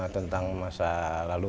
tentang masa lalu